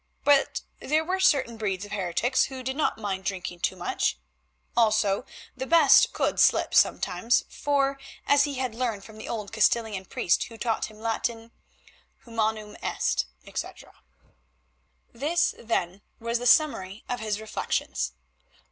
But there were certain breeds of heretics who did not mind drinking too much. Also the best could slip sometimes, for, as he had learned from the old Castilian priest who taught him Latin, humanum est, etc. This, then, was the summary of his reflections.